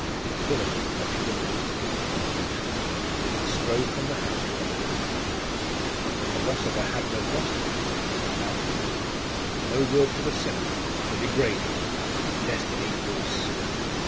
Philammon crushed the letter together in his hand, and strode from the house without a word. The philosopher had no gospel, then, for the harlot! No word for the sinner, the degraded! Destiny forsooth!